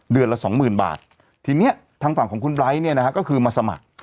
ละสองหมื่นบาททีนี้ทางฝั่งของคุณไบร์ทเนี่ยนะฮะก็คือมาสมัคร